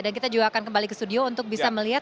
dan kita juga akan kembali ke studio untuk bisa melihat